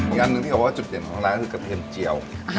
อันหนึ่งที่บอกว่าจุดเด่นของร้านคือกระเทียมเจียว